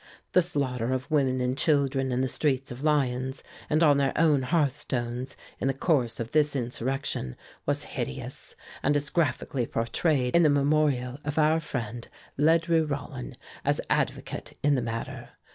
The slaughter of women and children in the streets of Lyons, and on their own hearthstones, in the course of this insurrection, was hideous, and is graphically portrayed in the memorial of our friend Ledru Rollin, as advocate in the matter.